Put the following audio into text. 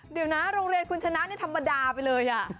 เดี๋ยวนะโรงเรียนคุณชนะนี่ธรรมดาไปเลย